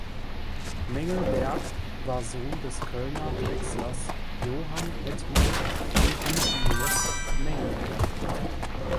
Mengelberg war Sohn des Kölner Drechslers Johann Edmund Egidius Mengelberg.